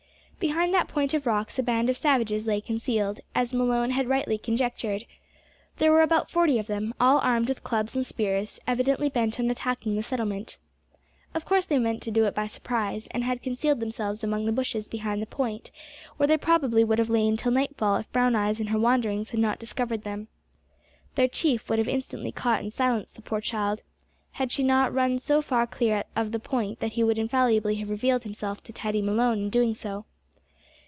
Behind that point of rocks a band of savages lay concealed, as Malone had rightly conjectured. There were about forty of them, all armed with clubs and spears, evidently bent on attacking the settlement. Of course they meant to do it by surprise, and had concealed themselves among the bushes behind the point, where they probably would have lain till nightfall if Brown eyes in her wanderings had not discovered them. Their chief would have instantly caught and silenced the poor child, had she not run so far clear of the point that he would infallibly have revealed himself to Teddy Malone in doing so.